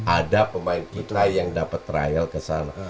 ada pemain kita yang dapat trial kesana